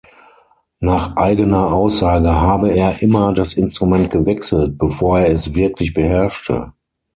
Nach eigener Aussage habe er immer das Instrument gewechselt, bevor er es wirklich beherrschte.